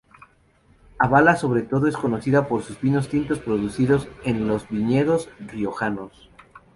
Álava es sobre todo conocida por sus vinos tintos producidos en los viñedos riojanos.